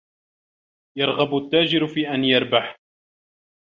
يَرْغَبُ التَّاجِرُ فِي أَنْ يَرْبَحَ.